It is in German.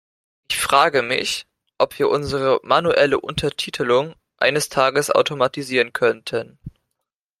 Ich frage mich, ob wir unsere manuelle Untertitelung eines Tages automatisieren könnten.